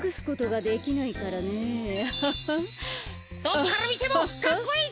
どこからみてもかっこいいぜ。